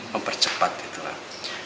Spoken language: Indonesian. mempercepat gitu lah